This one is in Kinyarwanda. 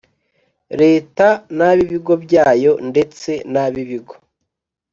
Leta n ab ibigo byayo ndetse n ab ibigo